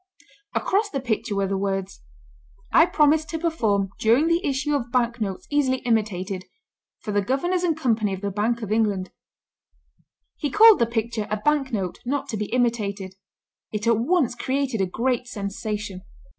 Across the picture were the words, "I promise to perform during the issue of Bank notes easily imitated ... for the Governors and Company of the Bank of England." He called the picture a "Bank note, not to be imitated." It at once created a great sensation.